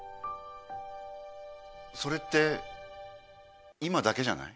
それって今だけじゃない？